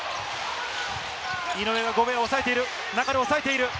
井上がゴベアを抑えている。